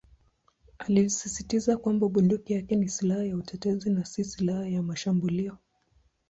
Alisisitiza kwamba bunduki yake ni "silaha ya utetezi" na "si silaha ya mashambulio".